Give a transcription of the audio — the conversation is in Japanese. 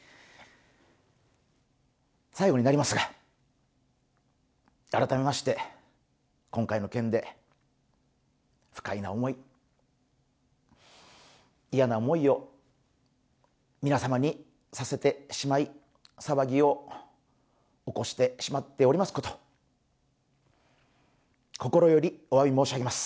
最後になりますが、改めまして今回の件で不快な思い、嫌な思いを皆様にさせてしまい騒ぎを起こしてしまっておりますこと心よりおわび申し上げます。